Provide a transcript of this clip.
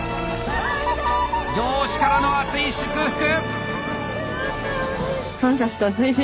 上司からの熱い祝福！